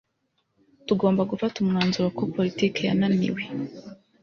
Tugomba gufata umwanzuro ko politiki yananiwe